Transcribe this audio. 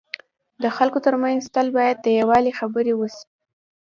د خلکو ترمنځ تل باید د یووالي خبري وسي.